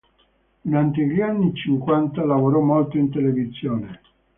Durante gli anni cinquanta lavorò molto in televisione.